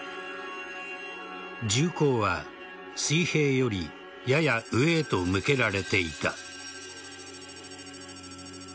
銃口は、水平よりやや上へと向けられていた。